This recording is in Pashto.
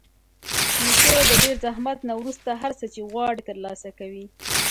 نیکه د ډېر زحمت نه وروسته هر څه چې غواړي ترلاسه کوي.